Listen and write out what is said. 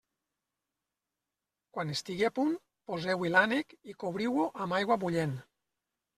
Quan estigui a punt, poseu-hi l'ànec i cobriu-ho amb aigua bullent.